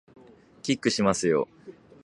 キックしますよ